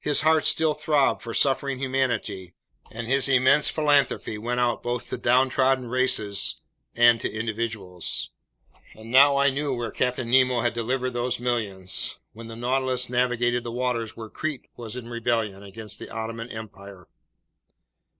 His heart still throbbed for suffering humanity, and his immense philanthropy went out both to downtrodden races and to individuals! And now I knew where Captain Nemo had delivered those millions, when the Nautilus navigated the waters where Crete was in rebellion against the Ottoman Empire!